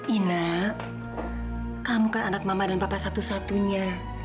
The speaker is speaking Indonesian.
ina kamu kan anak mama dan papa satu satunya